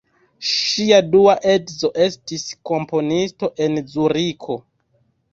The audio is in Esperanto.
Ŝia dua edzo estis komponisto en Zuriko.